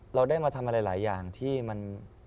เราได้มาทำอะไรหลายอย่างที่มัน